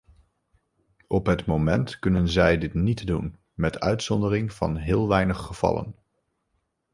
Op het moment kunnen zij dit niet doen, met uitzondering van heel weinig gevallen.